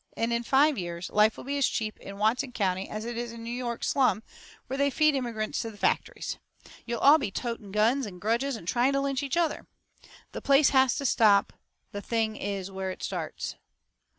And in five years life will be as cheap in Watson County as it is in a New York slum where they feed immigrants to the factories. You'll all be toting guns and grudges and trying to lynch each other. "The place to stop the thing is where it starts.